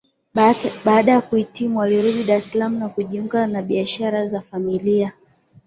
Baada ya kuhitimu alirudi Dar es Salaam na kujiunga na biashara za familia